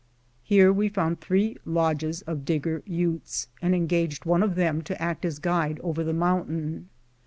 Here we found three lodges of Digger Utes, and engaged one of them to act as guide over the mountain.